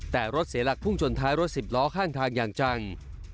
แต่รถเสียหลักพุ่งชนท้ายรถสิบล้อข้างทางอย่างจัง